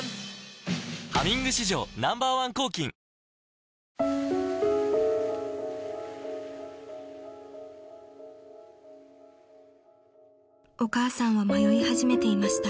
「ハミング」史上Ｎｏ．１抗菌［お母さんは迷い始めていました］